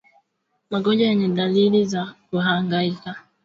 Magonjwa yenye dalili za Kuhangaika